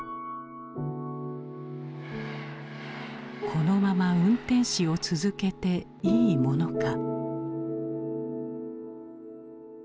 このまま運転士を続けていいものか。